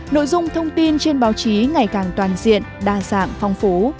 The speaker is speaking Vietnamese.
nội dung thông tin trên báo chí ngày càng toàn diện đa dạng phong phú